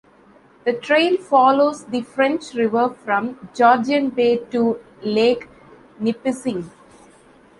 The trail follows the French River from Georgian Bay to Lake Nipissing.